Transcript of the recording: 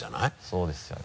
そうですよね。